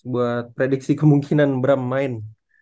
buat prediksi kemungkinan bram main